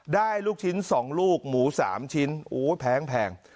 ได้ลูกชิ้นสองลูกหมูสามชิ้นโอ้แพงแพง